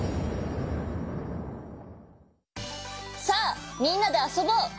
さあみんなであそぼう！